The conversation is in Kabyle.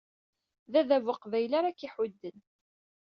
D adabu aqbayli ara k-iḥudden.